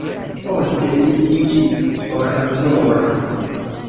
Poste li iĝis oratoro.